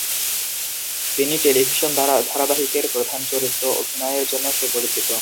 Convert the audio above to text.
তিনি টেলিভিশন ধারাবাহিকের প্রধান চরিত্র অভিনয়ের জন্য সুপরিচিত।